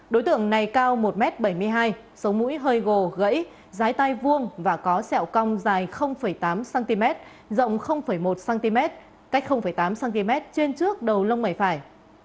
đối tượng này cao một m bảy mươi hai sống mũi hơi gồ gãy tay vuông và có sẹo cong dài tám cm rộng một cm cách tám cm trên trước đầu lông mày phải